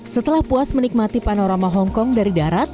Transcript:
setelah puas menikmati panorama hongkong dari darat